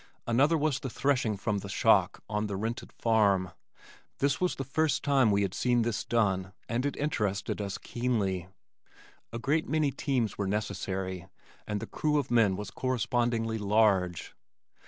Another was the threshing from the shock on the rented farm. This was the first time we had seen this done and it interested us keenly. A great many teams were necessary and the crew of men was correspondingly large.